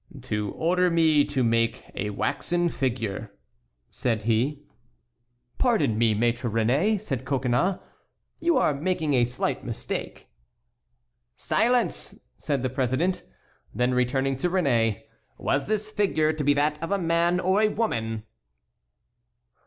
"To order me to make a waxen figure," said he. "Pardon me, Maître Réné," said Coconnas, "you are making a slight mistake." "Silence!" said the president; then turning to Réné, "was this figure to be that of a man or a woman?"